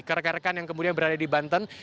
kerek kerekkan yang kemudian berada di banten